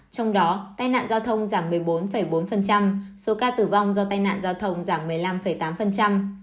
trong đó tai nạn giao thông giảm một mươi bốn bốn số ca tử vong do tai nạn giao thông giảm một mươi năm tám